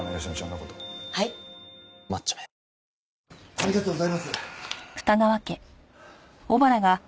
ありがとうございます。